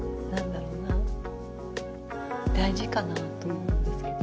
大事かなと思うんですけど。